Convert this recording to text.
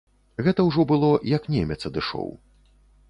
Гэта ўжо было, як немец адышоў.